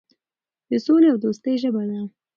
د سولې او دوستۍ ژبه ده.